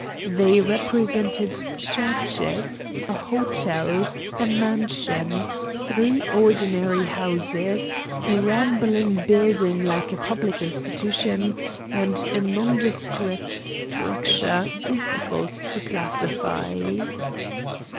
They represented churches, an hotel, a mansion, three ordinary houses, a rambling building like a public institution, and a nondescript structure difficult to classify.